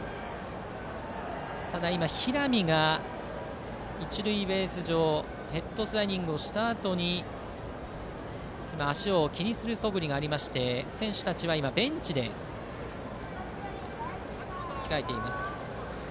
ただ、平見が一塁ベース上ヘッドスライディングをしたあと足を気にするそぶりがありまして選手たちはベンチで控えています。